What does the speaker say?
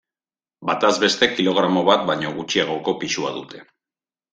Bataz beste kilogramo bat baino gutxiagoko pisua dute.